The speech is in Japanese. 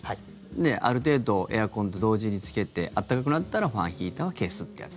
ある程度エアコンと同時につけて暖かくなったらファンヒーターは消すってやつだ。